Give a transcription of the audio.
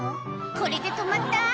これで止まった？」